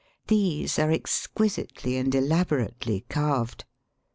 These are exquisitely and elaborately carved.